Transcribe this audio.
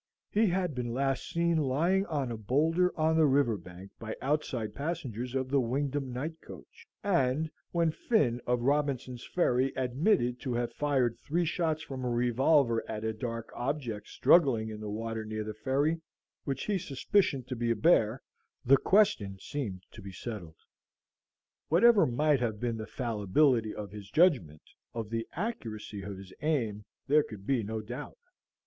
He had been last seen lying on a boulder on the river bank by outside passengers of the Wingdam night coach, and when Finn of Robinson's Ferry admitted to have fired three shots from a revolver at a dark object struggling in the water near the ferry, which he "suspicioned" to be a bear, the question seemed to be settled. Whatever might have been the fallibility of his judgment, of the accuracy of his aim there could be no doubt.